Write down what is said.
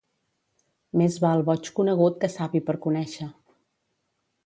Més val boig conegut que savi per conèixer